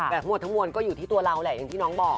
แบบหมวดทำวนก็อยู่ที่ตัวเราแหละอย่างที่น้องบอก